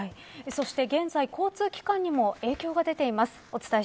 現在交通機関にも影響が出ています。